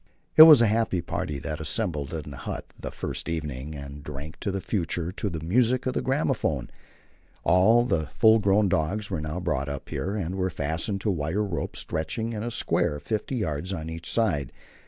It was a happy party that assembled in the hut the first evening, and drank to the future to the music of the gramophone. All the full grown dogs were now brought up here, and were fastened to wire ropes stretched in a square, 50 yards on each side.